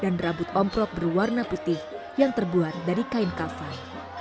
dan rambut omprok berwarna putih yang terbuat dari kain kafai